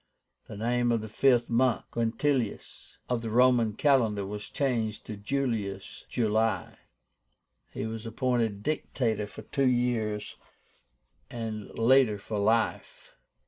The name of the fifth month (Quintilis) of the Roman calendar was changed to JULIUS (July). He was appointed Dictator for two years, and later for life.